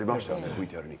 ＶＴＲに。